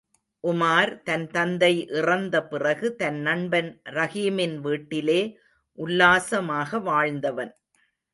உமார் தன் தந்தை இறந்த பிறகு தன் நண்பன் ரஹீமின் வீட்டிலே உல்லாசமாக வாழ்ந்தவன்.